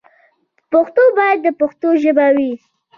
پښتو باید د پښتنو ژبه وي.